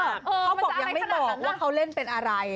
เขาบอกยังไม่บอกว่าเขาเล่นเป็นอะไร